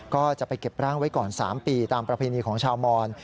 ก็จะไปเก็บร่างไว้ก่อน๓ปีตามประเพณีของชาวมอน